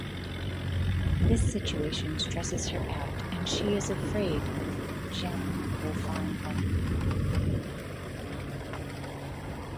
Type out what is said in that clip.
This situation stresses her out and she is afraid Gion will find them.